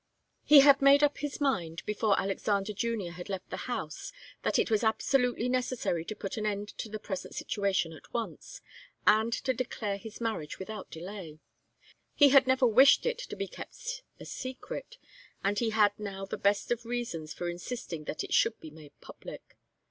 He had made up his mind, before Alexander Junior had left the house, that it was absolutely necessary to put an end to the present situation at once, and to declare his marriage without delay. He had never wished it to be kept a secret, and he had now the best of reasons for insisting that it should be made public.